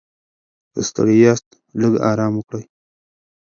که ستړي یاست، لږ ارام وکړئ.